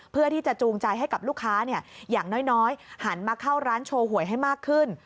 เพื่อที่จะจูงใจให้กับลูกค้าอย่างน้อยหันมาเข้าร้านโชว์หวยให้มากขึ้น